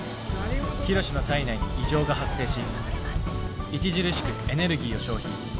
ヒロシの体内に以上が発生し著しくエネルギーを消費。